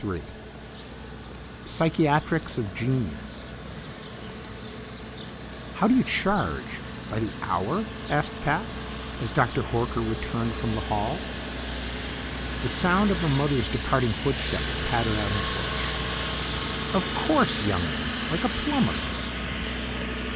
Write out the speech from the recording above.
3 Psychiatrics of Genius "How do you charge by the hour?" asked Pat, as Doctor Horker returned from the hall. The sound of her mother's departing footsteps pattered on the porch. "Of course, Young One; like a plumber."